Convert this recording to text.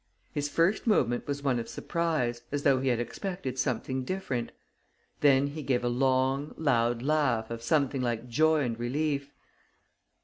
His first movement was one of surprise, as though he had expected something different. Then he gave a long, loud laugh of something like joy and relief.